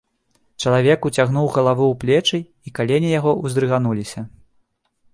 Чалавек уцягнуў галаву ў плечы, і калені яго ўздрыгануліся.